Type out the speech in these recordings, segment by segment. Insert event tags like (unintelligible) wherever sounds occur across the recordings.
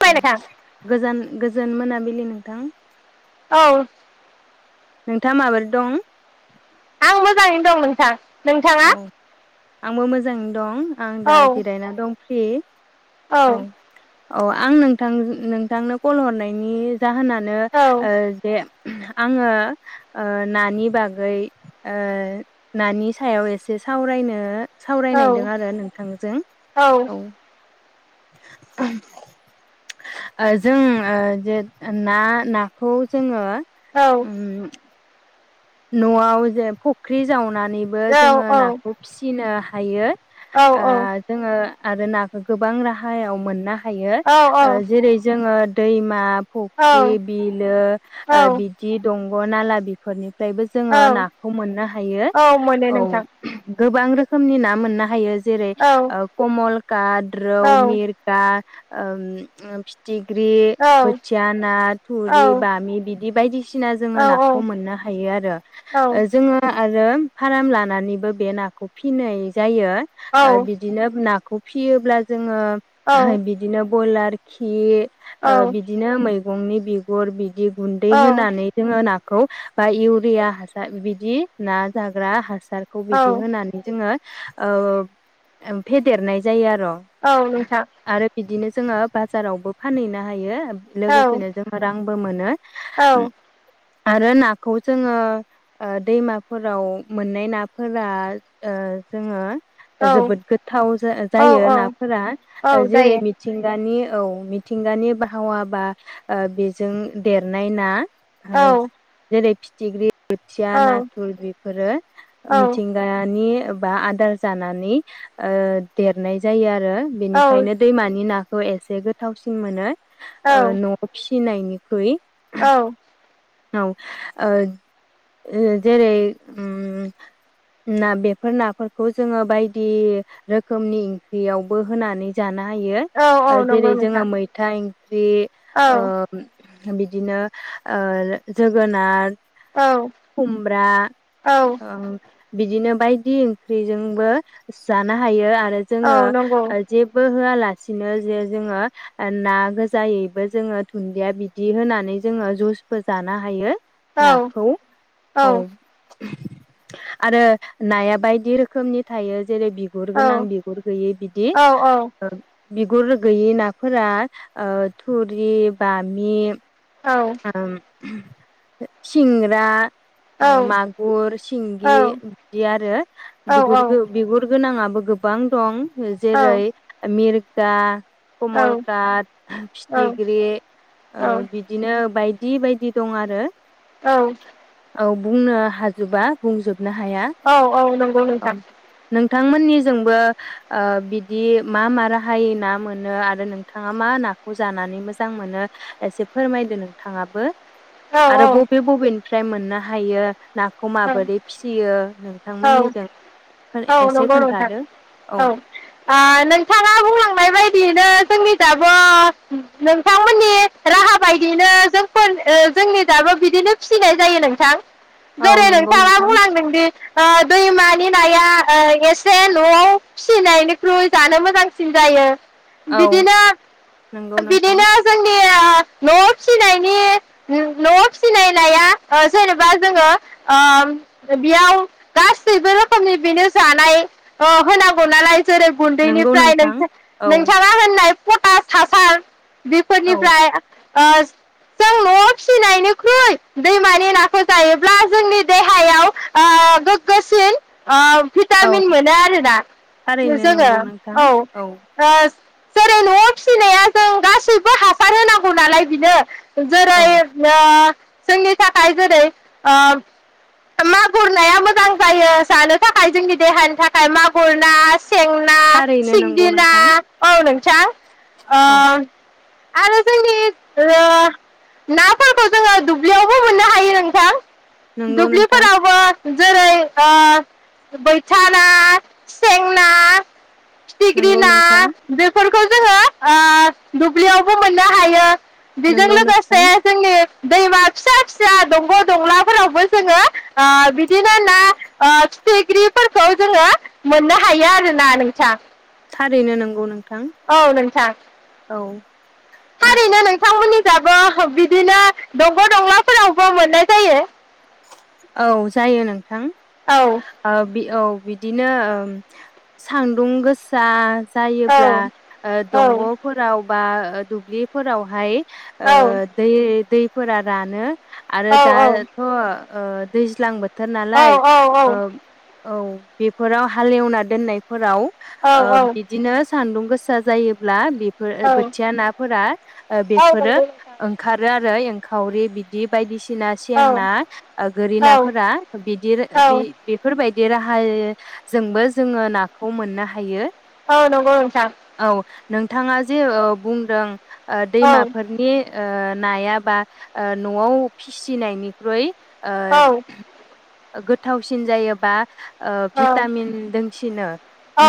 बाय औ नोंथां गोजान गोज गोजोन मोनाबिलि नोंथां! औ नोंथाङा माबोरै दं? आं मोजाङैनो दं नोंथां। नोंथाङा औ आंबो मोजाङैनो दं, आं औ दा जिरायना दं। सि औ औ आं नोंथां नोंथांनो कल हरनायनि जाहोनानो औ जे आङो नानि बागै नानि ओ सायाव एसे सावरायनो सावरायनायदों आरो नोंथांजों औ जों जे ना नाखौ जोङो औ उम न'आव जे फुख्रि जावना नैबो औ जोङो औ औ नाखौ फिसिनो हायो। औ ओ जोङो आरो नाखौ गोबां राहायाव मोना थायो औ जेरै जोङो दैमा फुख्रि बिलो औ बिदि दं ग नाला बिफोरनि मफ्रायबो जोङो औ नाखौ मोननो हायो औ मोनो औ नोंथां गोब गोबां रोखोमनि ना मोननो हायो। जेरै औ कमलकात रौ औ मिरगा। ओं फिथिक फिख्रि औ औ बोथिया ना थुरि बामि बिदि बिबायदि बायसिना जोङो नाखौ मोननो हा हायो औ आरो जोङो आरो फाराम लानानैबो बे नाखौ फिनाय जायो। ओ बिदिनो ना। खौ फियोब्ला जोङो बिदिनो बयलार आरोखि ओ बिदिनो मै गंनि बिगुर बिदि गुन्दै होनानै जोङो नाखौ औ बा इउरिया हासार बिदि ना जाग्रा हासार हासारखौ औ बिदि होनानै जोङो फेदेरनाय जायो आरो औ नोंथां आरो बिदिनो जोङो बाजारावबो फानहैनो हायो औ लोगोसेनो जोङो रांबो मोनो आरो ना खौ जोङो ओ दैमाफोराव मोननाय नाफोरा ओ जोङो जोबोद गोथाव जा औ औ जायो औ मिथिंगानि बाहावाबा ओ बेजों देरनाय ना ओ औ जेरै फिथिख्रि खोथिया नाथुर बेफोरो औ मिथिंगानि बा आदार जानानै ओ देरनाय जायो आरो आरो बेनिखायनो दैमानि नाखौ खौ एसे गोथावसिन मोनो औ ओ न'आव फिसिनायनि ख्रुइ औ औ ओ जेरै ओम ना बेफोर नाफोरखौ जोङो बायदि रोखोमनि ओंख्रियावबो होनानै जाना हायो औ ओ नंगौ जेरै नोंथां जोङो मैथा ओंख्रि ओ औ बिद बिदिनो ओ जोगोनार औ खुमब्रा औ ओ बिदिनो बायदि ओंख्रिजोंबो जानो हायो आ रो जोङो औ नंगौ ओ जेबो ओं होयालासेनो जे जोङो ना गोजायैबो जोङो दुन्दिया बिदि होनानै जोङो जुसबो जान नो हायो। औ नाखौ औ आरो नाया बायदि रोखोमनि थायो। जेरै बिगुर गोनां औ बिगुर गैयै बिदि औ बिगुर गैयि नाफोरा ओ थुरि बामि आम सिंग्रा ओ मागुर औ सिंगि बिदि आरो बिगुर गो बिगुर गोनाङाब बो गोबां दं। जेरै मिर दा कमल काट फिथिग्रि ओ नो बायदि बायदि दं आरो। औ औ बुंनो हाजोबा बुंजोब औ औ नंगौ नोंथां। नोंथांमोननि जोंबो ओ बिदि मा मा राहायै ना मोनो आरो नोंथाङा मा नाखौ जानानै मोजां मोनो एसे फोरमायदो नोंथाङाबो। औ औ आरो बबे बबेनिफ्राय मोनना हायो नाखौ माबोरै फिसियो नों औ औ नंगौ नोंथां खोन्थादो औ आ नोंथाङा बुंलांनाय बायदियैनो जो जोंनि दाबो नोंथांमोननि राहा बायदियैनो जोंफोर ओ जोंनि दाबो बिदिनो फिसिनाय जायो नोंथां। औ जेरै नंगौ नोंथाङा नोंथां बुंलांदोंदि ओ दैमानि नाया ओ एसे न'आव फिसिनायनिख्रुइ जानो मोजांसिन जायो। औ बिदिनो नंगौ नोंथां बिदिनो जोंनि (inaudible) न'आव फिसिनायनि न'आव फिसिनाय नाया जेनेबा जोङो बेयाव गासैबो रोखोमनि बेनो जानाय ओ होनांगौ नालाय जेरै नंगौ गुन्दैनिफ्राय नोंथां औ नोंथाङा होननाय पटास हासार औ बिफोरनिफ्राय ओ जों न'आव फिसिनायनिख्रुइ दैमानि नाखौ जायोब्ला जोंनि देहायाव ओ गो गो सिन ओ औ भिटामिन मोनो आरोना थारैनो जोङो नंगौ नोंथां औ (unintelligible) जेरै न'आव फिसिनाया जों गासैबो हासार होनांगौ नालाय बिनो औ जेरै ओ जोंनि थाखाय जेरै ओ मागुर नाया मोजां। जायो जानो थाखाय जोंनि देहानि थाखाय मागुर ना सें ना थारैनो नंगौ सिंगि ना नोंथां ओ नोंथां ओ औ आरो जोंनि ओ नाफोरखौ जोङो दुब्लियावबो मोननो हायो नोंथां। नंगौ दुब्लि नोंथां फोरावबो जेरै ओ बैथा ना, सें ना, फिथिग्रि नंगौ ना नोंथां बेफोरखौ जोङो ओ दुब्लियावबो मोननो हायो । बिजों नंगौ लोगोसे नोंथां जोंनि दैमा फिसा फिसा दंग' दंलाफोरावबो जोङो ओ बिदि ओ फिथिख्रिफोरखौ जोङो मोननो हायो आरो ना नोंथां । थारैनो नोंगौ नों थां नोंथां औ थारैनो (unintelligible) दंग' दंलाफोरावबो मोननाय जायो। औ जायो नोंथां औ ओ बि औ बिदिनो ओ सान्दुं गोसा औ जायोब्ला ओ औ दंग'फोराव बा ओ दुब्लिफोरावहाय ओ औ देै देै फोरा रानो । आरो औ दाथ' ओ दैज्लां बो थोर औ नालाय ओ औ बेफोराव हालेवना दोननाय फोराव औ ओ औ बिदिनो सान्दुं गोसा जायोब्ला बे फोर बोथिया नाफोरा नंगौ बेफोरो नोंथां ओंखारो आरो । फ्राय एंखावरि बिदि बायदिसि ना सें ना गोरि औ नाफोरा औ औ बिदिरो-ओ-बे-बेफोर बेबायदि राहायै जोंबो जोङो नाखौ मोननो हायो। औ नंगौ नोंथां औ । नोंथाङा जे ओ बुंदों ओ औ दैमाफोरनि ओ नायाबा ओ न'आव फिसिनायनिख्रुइ ओ औ गोथावसिन जायोबा ओ औ भिटामिन दोंसिनो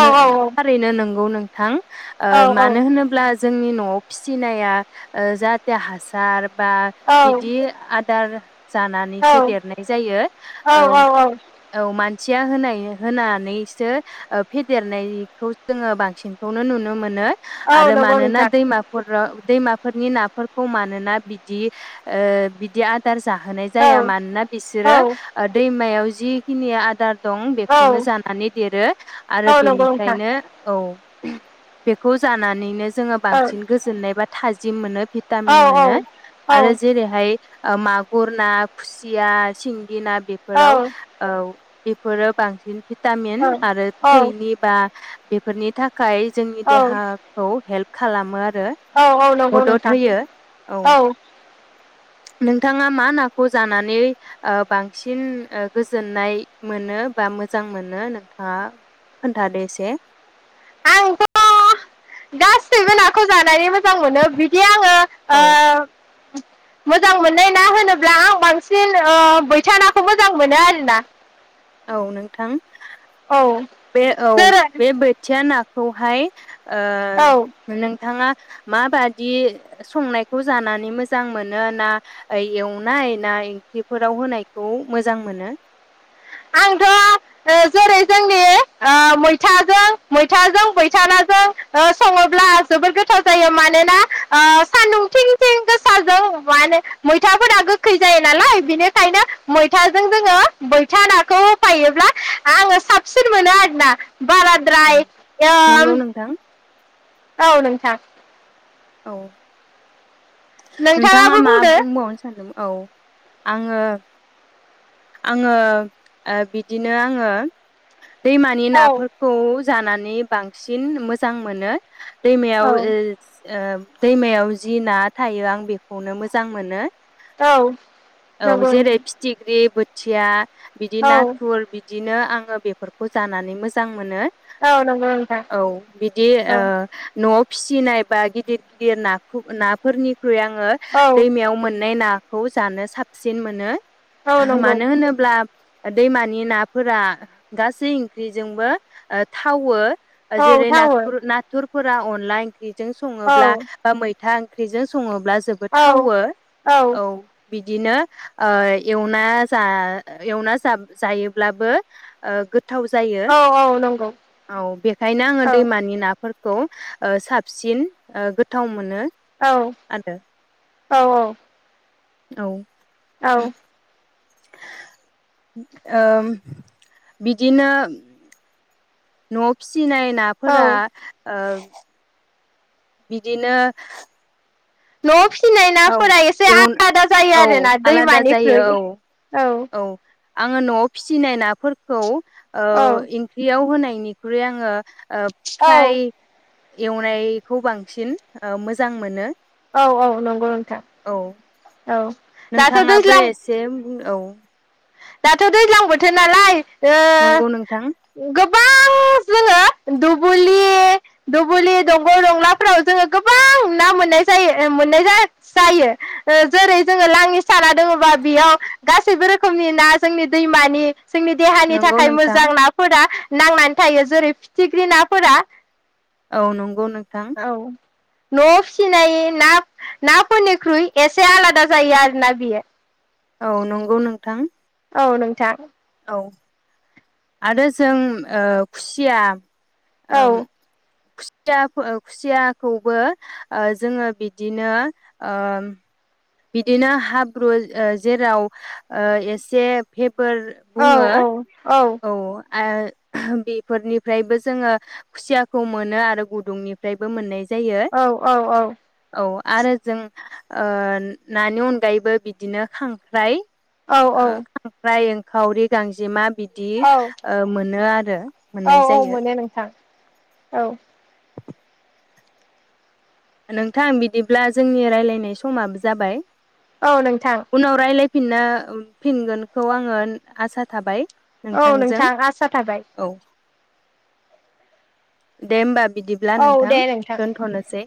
नो औ थारैनो नोंगौ नों थां ओ औ मानो होनोब्ला जोंनि न'आव फिसिनाया ओ जाहाथे हासार बा बिदि दार जानानैसो औ औ औ (unintelligible) खोथिया होनाय होनानैसो ओ फेदेरनायखौ जोङो बांसिनखौनो नुनो मोनो औ आरो नंगौ मानोना नोंथां दैमाफोराव दैमाफोरनि नाफोरखौ मानोना बिदि ओ बिदि आदार जाहोनाय औ जाया मानो ना बिसोरो औ ओ दैमायाव जिखिनि आदार दं औ बेखौनो जानानै देरो आरो औ नंगौ नोंथां बेनिफ्रायनो औ बेखौ जानानैनो जोङो औ बांसिन गोजोननाय बा थाजिम मोनो भिटामिन औ औ मोनो आरो जेरैहाय आ मागुर ना, खुसिया, सिं गि ना बेफोराव औ बेफोरो बांसिन भिटामिन आरो थैनि बा बेफोरनि था खाय जोंनि देहाखौ हेल्प खालामो आरो औ औ नंगौ मदद नोंथां होयो औ नोंथाङा मा नाखौ जानानै नै ओ बांसिन ओ गोजोननाय मोनो बा मोजां मोनो नोंथाङा खोन्थादो एसे आंथ' (unintelligible) मोजां मोनो बिदि आङो औ ओ मोजां मोननाय ना होनोब्ला आं बांसिन ओ बैथा नाखौ मोजां मोनो आरोना। औ नोंथां औ बे औ जेरै बे बोथियानो नाखौहाय औ ओ नोंथाङा माबादि संनायखौ जानानै मोजां मोनो ना एवनाय ना ओंख्रिफोराव होनायखौ मोजां मोनो? आंथ' जेरै जोंनि ओ मैथाजों मैथाजों मैथा नाजों ओ सङोब्ला जोबोद गोथाव जायो मानोना ओ सान्दुंथिंथिं गोसाजों माने मैथाफोरा गोखै जायो नालाय बेनिखायनो मैथाजों जोङो मैथा नाखौ होफायोब्ला आङो साबसिन मोनो आरोना औ बाराद्राय नंगौ इयो नोंथां औ नोंथां औ नोंथाङा नोंथाङाबो मा बुंदो बुंबावनो सानदोंमोन औ आङो आङो ओ दैमानि औ नाफोरखौ जानानै बांसिन मोजां मोनो दैमायाव औ ओस ओ दैमायाव जि ना थायो आं बेखौनो मोजां मोनो औ औ नंगौ जेरै नोंथां फिथिग्रि बोथ थिया बिदि औ नाथुर बिदि बिदिनो आंओ बेफोरखौ जानानै मोजां मोनो औ नंगौ नोंथां औ बिदि औ ओ न'आव फिसिनाय बा गिदिर गिदिर नाखौ नाफोरनि ख्रुइ आङो औ दैमायाव मोननाय ना खौ जानो साबसिन मोनो औ नंगौ मानो होनोब्ला ओ दैमानि नाफोरा गासै ओंख्रिजोंबो ओ थावो ओ औ जेरै थावो नाथुर नाथुर फोरा अनला ओंख्रि जों औ सङोब्ला बा मै मैथा ओंख्रिजों सङोब्ला जोबोद औ थावो औ बिदिनो ओ एवना जा एवना जा जायोब्लाबो ओ गो गोथाव जायो औ औ नंगौ औ बेखायनो आङो औ दैमानि नाफोर खौ ओ साबसिन ओ गोथाव मोन औ-औ-औ औ- औ ओम बिदिनो- न'आव फिसि- सिनाय नाफोरा ओ बिदिनो न'आव फि फिनाय औ नाफोरा एसे एव आलादा जायो औ आरोना आलादा जायो दैमानिख्रुइ औ औ आङो न'आव फिसिनाय नाफोरखौ ओ औ इंख्रियाव होनाय बेनिख्रुइ आङो ओ प्राय औ एवनायखौ बांसिन ओ मोजां मोनो औ-औ नंगौ औ नोंथां औ दाथ' दैज्लां उन औ दाथ' दैज्लां बोथोर नालाय नंगौ नोंथां ओ गोब बां जोङो दुबुलि दुबचलि दंग' दंलाफोराव जोङो गोबां ना मोननाय जायो ओ मोननाय जा जायो ओ जेरै जोङो लांनि साना दङबा बेयाव गासैबो रोखोमनि ना जोंनि दै मानि जोंनि देहानि नंगौ थाखाय नोंथां मोजां नाफोरा नांनानै थायो जेरै फिथिख्रि नाफोरा औ नंगौ नोंथां औ न'आव फिसिनाय ना नाफोरनिख्रुइ एसे आलादा जायो आरोना बियो औ नंगौ नोंथां औ नोंथां औ आरो जों ओ खुसिया औ ओम खुस सियाफो ओ खुसियाखौबो ओ जोङो बिदिनो ओ बिदिनो हाब्रु ओ जेराव ओ एसे हेब फोर औ बुङो औ औ आ बेफोरनिफ्रायबो जोङो खुसियाखौ मोनो आरो गुदुंनिफ्रायबो मोननाय जायो औ-औ-औ औ आरो जों ओ नानि अनगायैबो बिदिनो खांख्राइ ओ औ खांख्राइ ओं खावरि गांजेमा बिद दि औ ओ मोनो आरो औ मोननाय औ जायो। मोनो नोंथां औ नोंथां बिदिब्ला जोंनि रायलायनाय समाबो जाबाय। औ नोंथां। फिना फिनगोनखौ आङो आसा थाबाय । औ नोंथां आसा थाबाय । दे होमबा बिदिब्ला औ नोंथां दे दोनथ'नोसै।